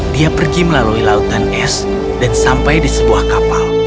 dia pergi melalui lautan es dan sampai di sebuah kapal